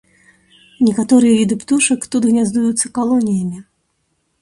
Некаторыя віды птушак тут гняздуюцца калоніямі.